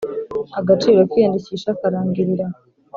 Agaciro k iyandikisha karangiriraho